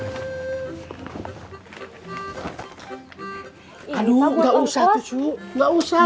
aduh gak usah tuh cu gak usah